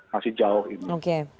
masih jauh ini